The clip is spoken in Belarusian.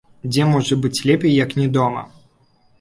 Дзе можа быць лепей, як не дома?